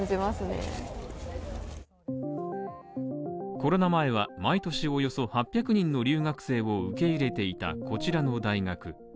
コロナ前は毎年およそ８００人の留学生を受け入れていたこちらの大学